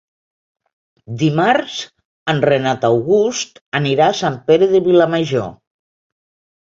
Dimarts en Renat August anirà a Sant Pere de Vilamajor.